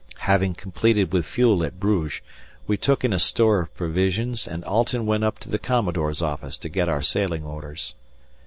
Having completed with fuel at Bruges, we took in a store of provisions and Alten went up to the Commodore's office to get our sailing orders.